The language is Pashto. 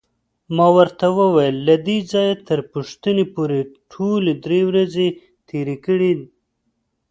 ما ورته وویل: له دې ځایه تر پوښتنې پورې ټولې درې ورځې تېرې کړې.